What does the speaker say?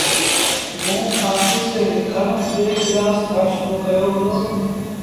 موݩ ڪآپيٚ تي لکڻ ٻي ڪلآس کآݩ شرو ڪيو هُݩدو۔